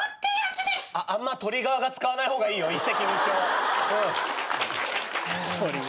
あんま鳥側が使わない方がいいよ一石二鳥。